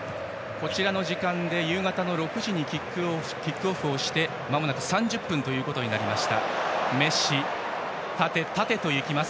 こちらの時間で夕方の６時にキックオフしてまもなく３０分になりました。